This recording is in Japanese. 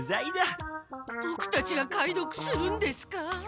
ボクたちが解読するんですか！？